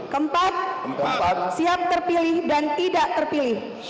keempat siap terpilih dan tidak terpilih